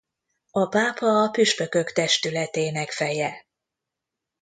A pápa a püspökök testületének feje.